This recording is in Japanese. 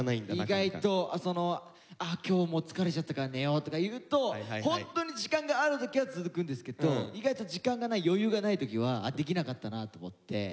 意外と「あ今日もう疲れちゃったから寝よう」とかいうとホントに時間がある時は続くんですけど意外と時間がない余裕がない時はできなかったなと思って。